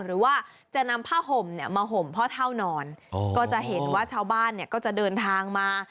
หรือว่าจะนำผ้าห่มเนี่ยมาห่มพ่อเท่านอนก็จะเห็นว่าชาวบ้านเนี่ยก็จะเดินทางมา